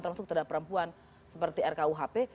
termasuk terhadap perempuan seperti rkuhp